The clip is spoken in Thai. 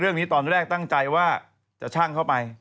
เรื่องนี้ตอนแรกตั้งใจว่าจะชั่งเข้าไป